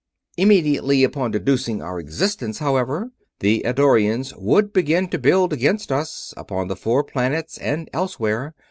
Immediately upon deducing our existence, however, the Eddorians would begin to build against us, upon the four planets and elsewhere.